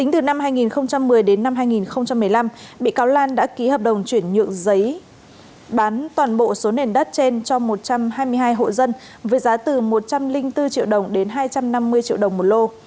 từ năm hai nghìn một mươi đến năm hai nghìn một mươi năm bị cáo lan đã ký hợp đồng chuyển nhượng giấy bán toàn bộ số nền đất trên cho một trăm hai mươi hai hộ dân với giá từ một trăm linh bốn triệu đồng đến hai trăm năm mươi triệu đồng một lô